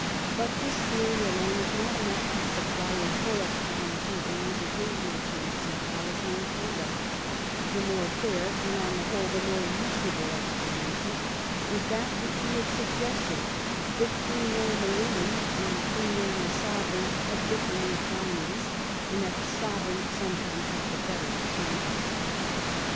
But this theory alone is not enough to supply a full explanation of Anne's occasional changes in policy and conduct The more fair, and, on the whole, the more reasonable, explanation is that which we have suggested, that Queen Anne the woman and Queen Anne the sovereign had different inclinings, and that the sovereign some times had the better in the contest.